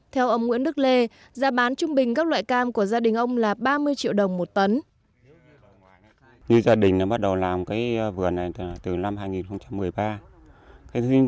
theo ông nguyễn đức lê giá bán trung bình các loại cam của gia đình ông là ba mươi triệu đồng một tấn